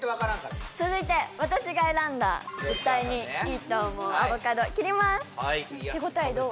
続いて私が選んだ絶対にいいと思うアボカド切りまーす手応えどう？